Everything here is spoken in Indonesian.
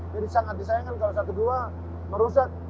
jadi sangat disayangkan kalau satu dua merusak